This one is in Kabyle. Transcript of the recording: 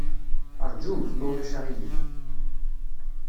Ṛjumt, ma ulac aɣilif.